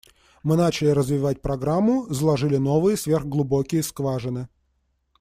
Мы начали развивать программу, заложили новые сверхглубокие скважины.